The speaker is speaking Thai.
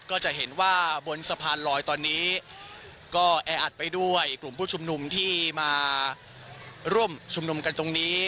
ก็จะเห็นว่าบนสะพานลอยตอนนี้ก็แออัดไปด้วยกลุ่มผู้ชุมนุมที่มาร่วมชุมนุมกันตรงนี้